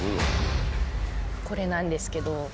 これなんですけど。